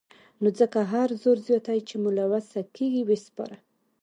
نو ځکه هر زور زياتی چې مو له وسې کېږي وسپاره.